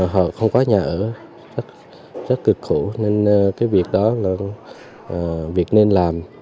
họ không có nhà ở rất cực khổ nên cái việc đó là việc nên làm